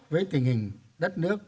với tình hình đất nước